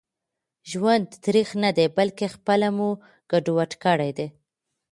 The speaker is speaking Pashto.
ژوند تريخ ندي بلکي خپله مو ګډوډ کړي دي